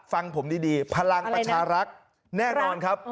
ฟังผมดีพลังประชารักษ์แน่นอนครับ